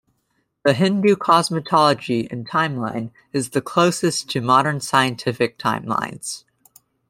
The Hindu cosmology and timeline is the closest to modern scientific timelines.